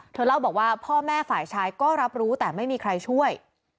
เล่าบอกว่าพ่อแม่ฝ่ายชายก็รับรู้แต่ไม่มีใครช่วย